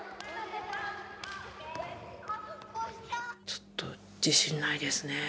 ちょっと自信ないですねえ。